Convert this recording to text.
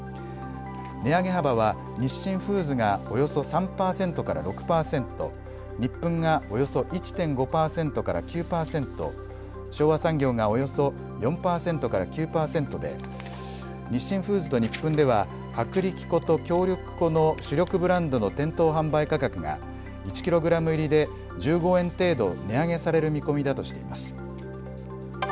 値上げ幅は日清フーズがおよそ３％から６％、ニップンがおよそ１．５％から９％、昭和産業がおよそ４％から９％で日清フーズとニップンでは薄力粉と強力粉の主力ブランドの店頭販売価格が１ｋｇ入りで１５円程度値上げされる見込みだとしています。